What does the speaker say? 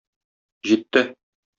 Җитте!